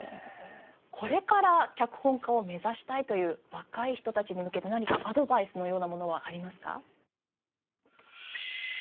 これから脚本家を目指したいという若い人たちに向けて何かアドバイスのようなものはありますか？